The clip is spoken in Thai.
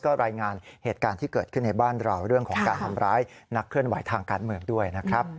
ก็รายงานเหตุการณ์ที่เกิดขึ้นในบ้านเราเรื่องของการทำร้ายนักเคลื่อนไหวทางการเมืองด้วยนะครับ